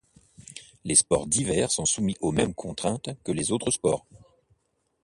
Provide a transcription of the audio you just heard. Les sports d'hiver sont soumis aux mêmes contraintes que les autres sports.